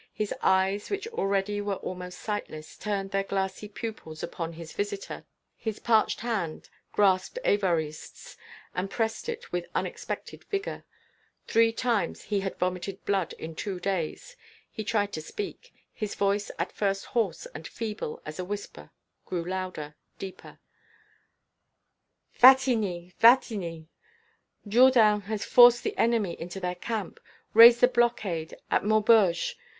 His eyes, which already were almost sightless, turned their glassy pupils upon his visitor; his parched hand grasped Évariste's and pressed it with unexpected vigour. Three times he had vomited blood in two days. He tried to speak; his voice, at first hoarse and feeble as a whisper, grew louder, deeper: "Wattignies! Wattignies!... Jourdan has forced the enemy into their camp ... raised the blockade at Maubeuge....